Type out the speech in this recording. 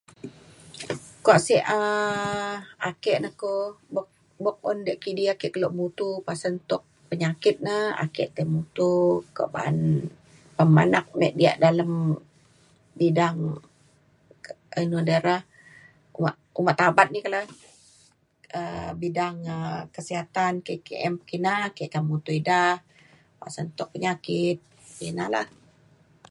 kuak sik um ake ne ku bo' bo' un da kidi ake keluk mutu pasen tok penyakit ne, ake ke mutu ko' ba'an pemanak mik diak dalem bidang ke inu dai re uma' uma' tabat ni kele um bidang um kesihatan KKM kina ke' ke mutu ida pasen tok penyakit kina la.